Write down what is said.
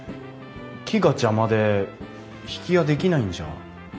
木が邪魔で曳家できないんじゃ？